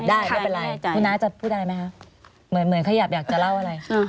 ไม่เป็นไรคุณน้าจะพูดอะไรไหมคะเหมือนขยับอยากจะเล่าอะไร